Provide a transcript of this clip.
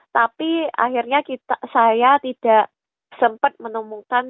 tapi akhirnya saya tidak sempat menemukan